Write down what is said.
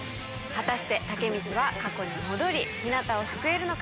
果たしてタケミチは過去に戻りヒナタを救えるのか？